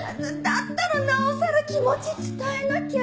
だったらなおさら気持ち伝えなきゃ！